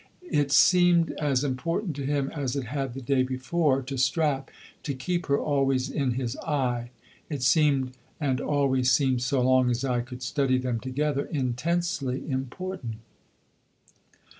"It seemed as important to him as it had the day before to Strap to keep her always in his eye. It seemed and always seemed so long as I could study them together intensely important."